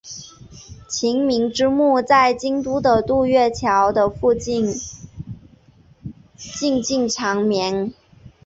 晴明之墓在京都的渡月桥的附近静静长眠。